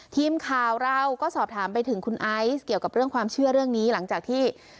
ทีมข่าวเราก็สอบถามไปถึงคุณไอซ์เกี่ยวกับเรื่องความเชื่อเรื่องนี้หลังจากที่